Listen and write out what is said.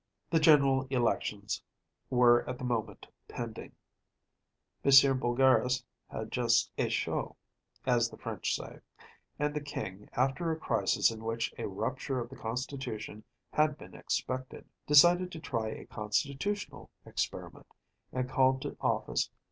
The general elections were at the moment pending. M. Boulgaris had just échoue, as the French say; and the King, after a crisis in which a rupture of the Constitution had been expected, decided to try a constitutional experiment, and called to office M.